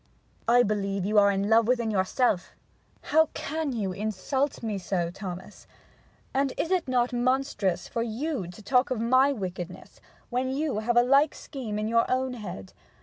'I believe you are in love with en yourself!' 'How can you insult me so, Thomas! And is it not monstrous for you to talk of my wickedness when you have a like scheme in your own head?